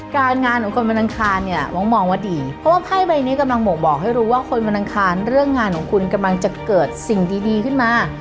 การงานของคนวันอังคารเนี่ยวองมองว่าดีเพราะว่าไพ่ใบนี้กำลังบ่งบอกให้รู้ว่าคนวันอังคารเรื่องงานของคุณกำลังจะเกิดสิ่งดีขึ้นมา